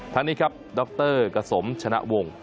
ทางนี้ครับดรกสมชนะวง